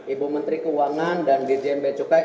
ibu menteri keuangan dan dgnb cukai